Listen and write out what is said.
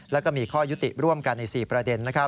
แล้วก็มีข้อยุติร่วมกันใน๔ประเด็น